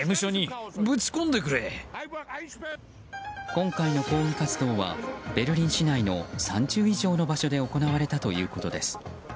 今回の抗議活動はベルリン市内の３０以上の場所で行われたということです。